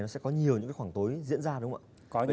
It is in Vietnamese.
nó sẽ có nhiều những khoảng tối diễn ra đúng không ạ